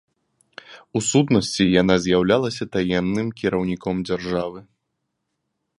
У сутнасці, яна з'яўлялася таемным кіраўніком дзяржавы.